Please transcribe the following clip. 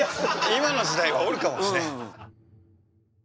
今の時代はおるかもしれへん。